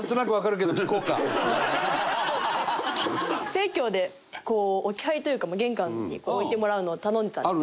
生協で置き配というか玄関に置いてもらうのを頼んでたんですね。